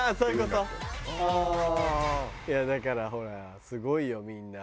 いやだからほらすごいよみんな。